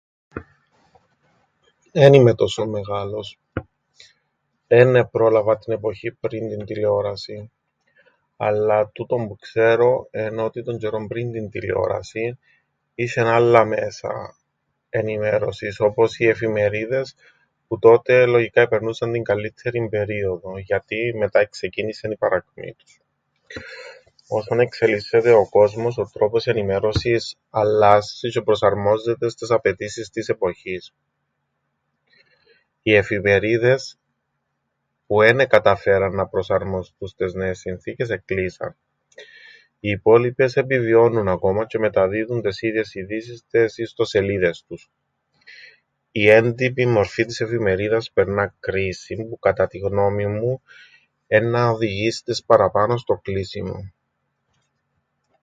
Εν είμαι τόσον μεγάλος. Εν επρόλαβα την εποχήν πριν την τηλεόρασην. Αλλά τούτον που ξέρω εν' ότι τον τζ̆αιρόν πριν την τηλεόρασην είσ̆εν άλλα μέσα ενημέρωσης όπως οι εφημερίδες, που τότε λογικά επερνούσαν την καλλύτερην περίοδον, γιατί μετά εξεκίνησεν η παρακμή τους. Όσον εξελισσεται ο κόσμος ο τρόπος ενημέρωσης αλλάσσει τζ̆αι προσαρμόζεται στες απαιτήσεις της εποχής. Οι εφημερίδες που εν εκαταφέραν να προσαρμοστούν στες νέες συνθήκες εκλείσαν. Οι υπόλοιπες επιβιώννουν ακόμα τζ̆αι μεταδίδουν τες ίδιες ειδήσεις στες ιστοσελίδες τους. Η έντυπη μορφή της εφημερίδας περνά κρίσην, που κατά την γνώμην μου εννά οδηγήσει τες παραπάνω στο κλείσιμον.